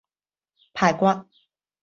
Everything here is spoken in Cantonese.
排骨